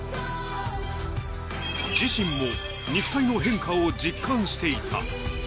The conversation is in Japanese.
自身も肉体の変化を実感していた。